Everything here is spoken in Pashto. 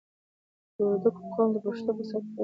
د وردګو قوم د پښتنو په سطحه ډېر پوهان لري.